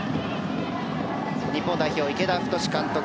日本代表、池田太監督